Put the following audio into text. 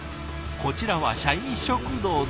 「こちらは社員食堂です。」